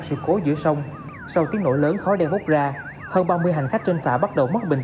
sự cố giữa sông sau tiếng nổ lớn khói đen bốc ra hơn ba mươi hành khách trên phà bắt đầu mất bình